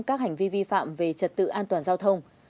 các hành vi vi phạm về trật tự an toàn giao thông